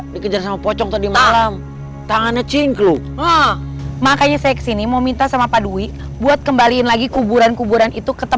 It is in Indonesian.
dikejar sama pocong tadi malam tangannya cinklu makanya saya kesini mau minta sama padwi buat